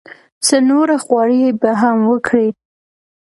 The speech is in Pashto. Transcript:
څه نوره خواري به هم وکړي.